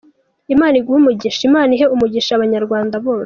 Imana iguhe umugisha, Imana ihe umugisha Abanyarwanda bose.”